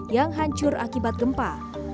yang hancur akibat gempa